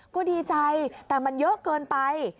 ก็ดีใจแต่มันเยอะเกินไป